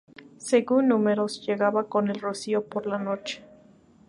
Según Números, llegaba con el rocío, por la noche.